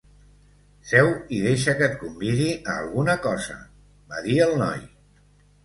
"Seu i deixa que et convidi a alguna cosa", va dir el noi.